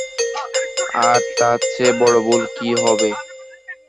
আর তার চেয়ে বড় ভুল কী হবে?